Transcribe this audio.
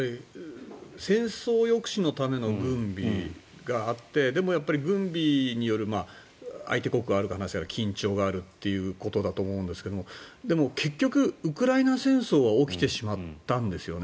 戦争抑止のための軍備があってでも、軍備による相手国がある話だから緊張があるということだと思うんですけどもでも結局、ウクライナ戦争は起きてしまったんですよね。